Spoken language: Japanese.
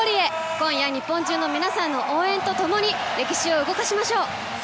今夜、日本中の皆さんの応援と共に歴史を動かしましょう！